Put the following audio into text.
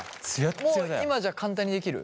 もう今じゃ簡単にできる？